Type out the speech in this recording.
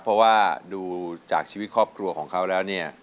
เพราะว่าดูจากชีวิตครอบครัวของเขาแล้วเนี่ย